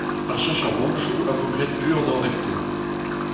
Ar cheñchamantoù a vo graet buanoc'h hepto.